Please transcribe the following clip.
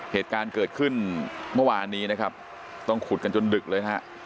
เหตุการณ์เกิดขึ้นเมื่อวานนี้นะครับต้องขุดกันจนดึกเลยฮะ